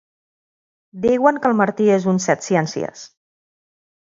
Diuen que el Martí és un set-ciències.